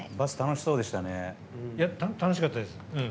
楽しかったです。